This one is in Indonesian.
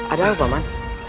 apa yang ada paman